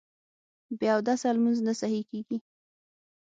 بې اودسه لمونځ نه صحیح کېږي